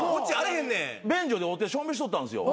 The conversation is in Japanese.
便所で会うてションベンしとったんですよ。